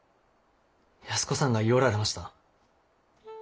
安子さんが言ようられました。